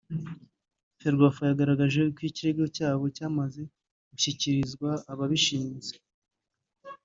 Ferwafa yagaragaje ko ikirego cyabo cyamaze gushyikirizwa ababishinze